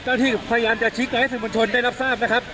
เจ้าหน้าที่พยายามจะชี้กลายให้สื่อมวลชนได้รับทราบนะครับ